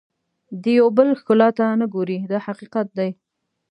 د یو بل ښکلا ته نه ګوري دا حقیقت دی.